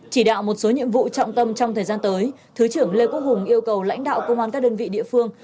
chỉ đạo một số nhiệm vụ trọng tâm trong thời gian tới thứ trưởng lê quốc hùng yêu cầu lãnh đạo công an các đơn vị địa phương